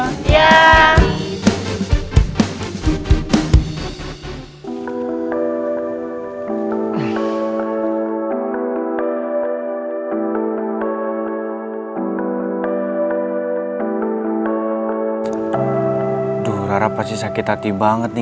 aduh rara pasti sakit hati banget nih